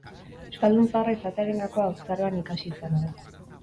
Euskaldun zaharra izatearen gakoa haurtzaroan ikasi izana da.